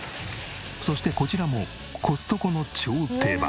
そしてこちらもコストコの超定番。